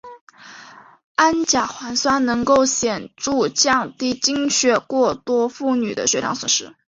氨甲环酸能够显着降低经血过多妇女的血量损失。